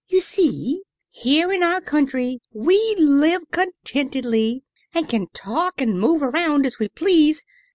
"You see, here in our country we live contentedly, and can talk and move around as we please.